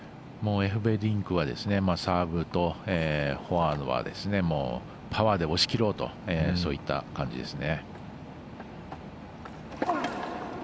エフベリンクはサーブとフォアではパワーで押し切ろうとそういった感じですね。